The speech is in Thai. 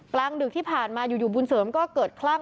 กลางดึกที่ผ่านมาอยู่บุญเสริมก็เกิดคลั่ง